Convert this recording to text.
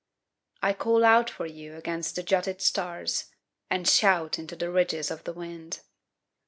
I call out for you against the jutted stars And shout into the ridges of the wind.